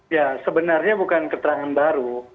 ya sebenarnya bukan keterangan baru